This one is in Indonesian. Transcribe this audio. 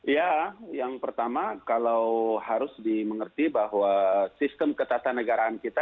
ya yang pertama kalau harus dimengerti bahwa sistem ketatanegaraan kita